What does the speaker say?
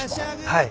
はい。